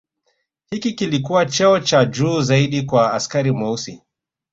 Hiki kilikua cheo cha juu zaidi kwa askari Mweusi